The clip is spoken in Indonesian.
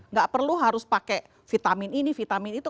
nggak perlu harus pakai vitamin ini vitamin itu